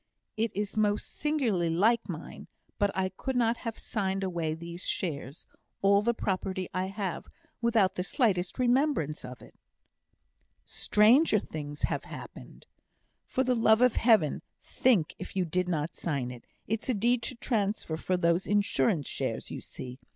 "It is most singularly like mine; but I could not have signed away these shares all the property I have without the slightest remembrance of it." "Stranger things have happened. For the love of Heaven, think if you did not sign it. It's a deed of transfer for those Insurance shares, you see.